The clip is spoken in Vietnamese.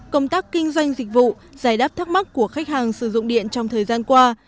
công tác kinh doanh dịch vụ giải đáp thắc mắc của khách hàng sử dụng điện trong thời gian qua